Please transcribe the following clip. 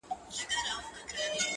دا ستا د مستو گوتو له سيتاره راوتلي!